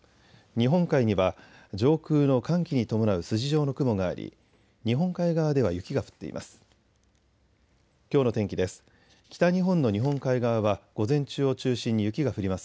日本海には上空の寒気に伴う筋状の雲があり日本海側では雪が降っています。